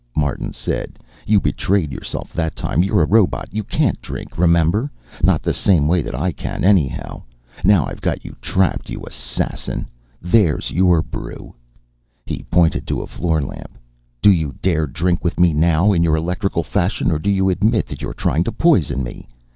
Martin said. "You betrayed yourself that time. You're a robot. You can't drink, remember? Not the same way that I can, anyhow. Now I've got you trapped, you assassin. There's your brew." He pointed to a floor lamp. "Do you dare to drink with me now, in your electrical fashion, or do you admit you are trying to poison me?